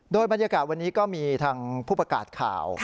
โดยบรรยากาศวันนี้ก็มีทางผู้ประกาศข่าว